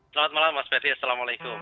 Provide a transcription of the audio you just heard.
selamat malam mas ferdies assalamualaikum